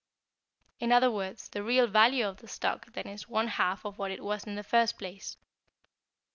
In other words, the real value of the stock then is one half of what it was in the first place.